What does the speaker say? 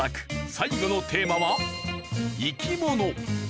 最後のテーマは生き物。